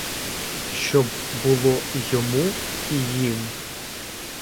Щоб було йому і їм.